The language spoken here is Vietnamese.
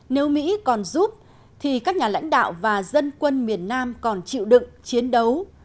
nếu mỹ còn giúp thì các nhà lãnh đạo và dân quân miền nam còn chịu đựng chiến đấu